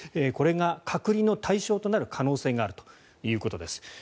これが隔離の対象となる可能性があるということです。